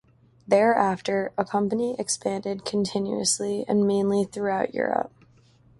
Thereafter, the company expanded continuously and mainly throughout Europe.